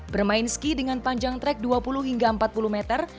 bermain ski dengan panjang trek dua puluh hingga empat puluh meter